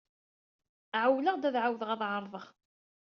Ɛewwleɣ-d ad ɛawdeɣ ad ɛerḍeɣ.